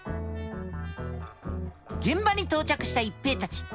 現場に到着した一平たち。